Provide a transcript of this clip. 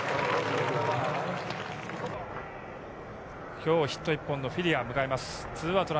今日、ヒット１本のフィリアを迎えます。